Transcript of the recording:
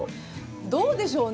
どうでしょうね。